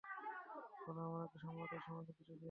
বলো, আমরা কি সম্রাটের সমাধি খুঁজে পেয়েছি?